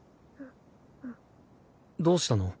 どうしたの？